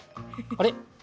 あれ？